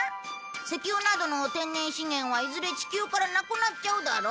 石油などの天然資源はいずれ地球からなくなっちゃうだろ？